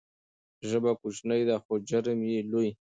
ژبه کوچنۍ ده خو جرم یې لوی.